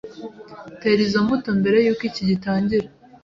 Tera izo mbuto mbere yuko icyi gitangira.